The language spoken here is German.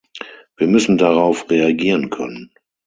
Wir müssen darauf reagieren können.